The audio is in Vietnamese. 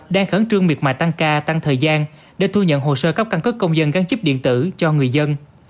đang khẩn trương miệt mại tăng ca tăng thời gian để thu nhận hồ sơ cấp căn cứ công dân gắn chíp điện tử cho người dân